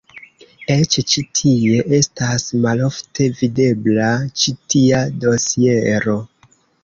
Eĉ ĉi tie estas malofte videbla ĉi tia dosiero.